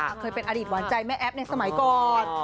เคยเป็นอดีตหวานใจแม่แอ๊บในสมัยก่อน